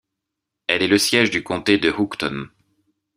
Elle est le siège du comté de Houghton.